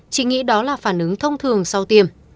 chị nghĩ đó là phản ứng thông thường sau tiêm